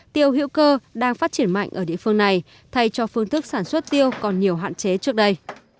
tiêu hữu cơ đang phát triển mạnh ở địa phương này thay cho phương thức sản xuất tiêu còn nhiều hạn chế trước đây